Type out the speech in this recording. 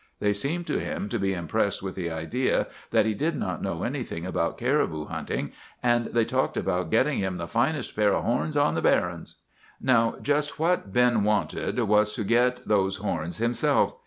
They seemed to him to be impressed with the idea that he did not know anything about caribou hunting, and they talked about 'getting him the finest pair of horns on the barrens.' "Now just what Ben wanted was to get those horns himself.